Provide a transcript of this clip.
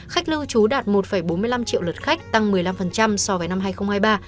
khách lưu trú đạt một bốn mươi năm triệu lượt khách tăng một mươi năm so với năm hai nghìn hai mươi ba